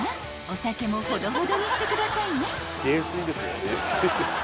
お酒もほどほどにしてくださいね］